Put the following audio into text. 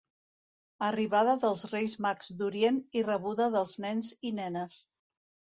Arribada dels Reis Mags d'Orient i rebuda dels nens i nenes.